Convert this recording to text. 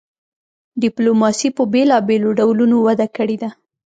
ډیپلوماسي په بیلابیلو ډولونو وده کړې ده